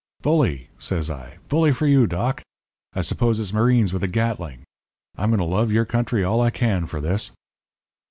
"'Bully!' says I 'bully for you, Doc! I suppose it's marines with a Gatling. I'm going to love your country all I can for this.'